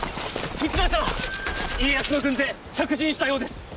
三成様家康の軍勢着陣したようです。